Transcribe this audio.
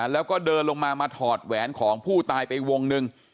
แล้วก็เดินลงมามาถอดแหวนของผู้ตายไปวงหนึ่ง